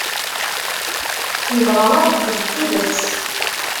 Nebɣa abeddel n tidet.